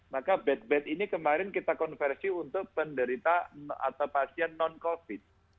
maka bed bed ini kemarin kita konversi untuk penderita atau pasien non covid